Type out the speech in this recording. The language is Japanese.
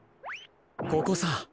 ここさ。